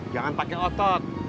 jangan pakai otot